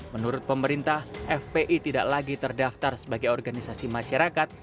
menurut pemerintah fpi tidak lagi terdaftar sebagai organisasi masyarakat